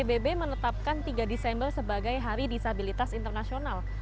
pbb menetapkan tiga desember sebagai hari disabilitas internasional